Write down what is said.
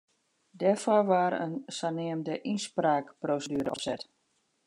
Dêrfoar waard in saneamde ynspraakproseduere opset.